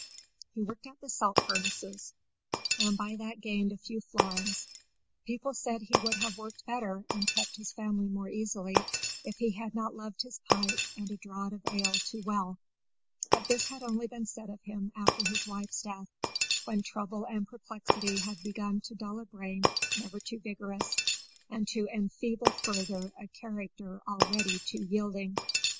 He worked at the salt furnaces, and by that gained a few florins; people said he would have worked better and kept his family more easily if he had not loved his pipe and a draught of ale too well; but this had only been said of him after his wife's death, when trouble and perplexity had begun to dull a brain never too vigorous, and to enfeeble further a character already too yielding.